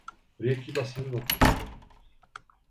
Junto a la Clínica de Acosta hay una sede del Ministerio de Salud.